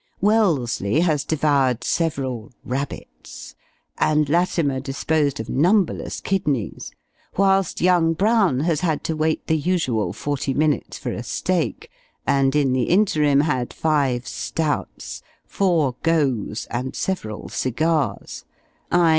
Wellesley has devoured several "rabbits," and Latimer disposed of numberless kidneys, whilst young Brown has had to wait the usual forty minutes for a steak; and, in the interim, had five "stouts," four "goes," and several cigars, _i.